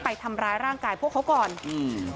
ไปทำร้ายร่างกายพวกเขาก่อนอืม